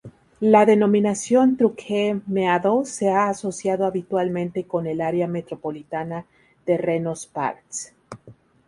La denominación Truckee Meadows se ha asociado habitualmente con el área metropolitana de Reno–Sparks.